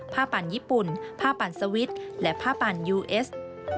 ปั่นญี่ปุ่นผ้าปั่นสวิตช์และผ้าปั่นยูเอส